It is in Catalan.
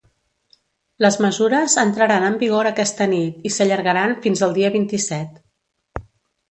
Les mesures entraran en vigor aquesta nit i s’allargaran fins al dia vint-i-set.